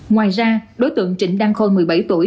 ngoài ra đối tượng trịnh đăng khôi một mươi bảy tuổi